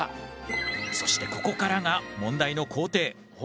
そしてここからが問題の工程。